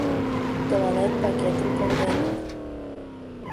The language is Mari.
— Тыланет пакетым конденыт.